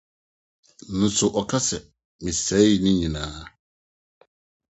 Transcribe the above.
Nanso ɔka sɛ: Mesɛee ne nyinaa.